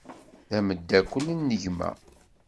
D ameddakel n gma.